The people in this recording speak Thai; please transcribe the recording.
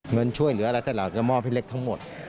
เงินช่วยเหลือและแต่หลักก็มอบพี่เล็กซ์ทั้งหมด